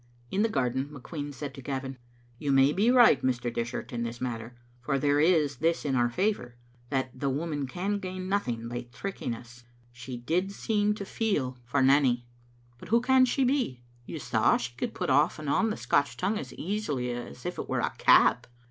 In the garden McQueen said to Gavin :— "You may be right, Mr. Dishart, in this matter, for there is this in our favour, that the woman can gain liothing by tricking us. She did se^m to f^^l fpr Digitized by VjOOQ IC m tLbC Xttttc ambuu Nanny. But who can she be? You saw she could put on and off the Scotch tongue as easily as if it were a cap.